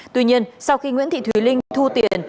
tuy nhiên sau khi nguyễn thị thùy linh thu tiền